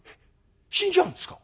「死んじゃうんですか？